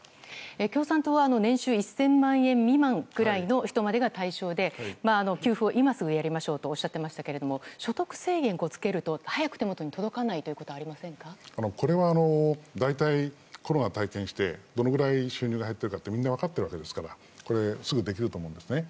共産党は年収１０００万円未満ぐらいの人が対象で、給付を今すぐやりましょうとおっしゃっていましたが所得制限をつけると早く手元に届かないことはこれは大体、コロナ体験してどのくらい収入が減っているかみんな分かっているわけですからこれはすぐできると思います。